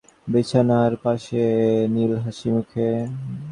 কাহার ঠেলায় ঘুম ভাঙিয়া চোখ চাহিয়াই দেখিল-লীলা হাসিমুখে বিছানার পাশে।